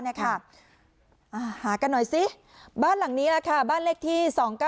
นะครับหากันหน่อยบ้านหลังนี้นะคะบ้านเลขที่๒๙๔